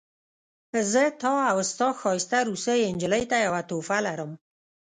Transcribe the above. زه تا او ستا ښایسته روسۍ نجلۍ ته یوه تحفه لرم